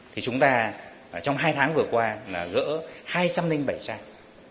thì chúng ta trong hai tháng vừa qua là gỡ hai trăm linh bảy trang